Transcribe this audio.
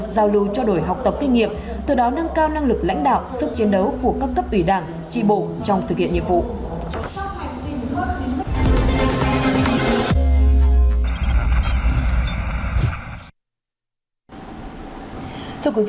giao lưu trao đổi học tập kinh nghiệm từ đó nâng cao năng lực lãnh đạo sức chiến đấu của các cấp ủy đảng tri bộ trong thực hiện nhiệm vụ